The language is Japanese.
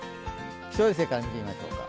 気象衛星から見ていきましょう。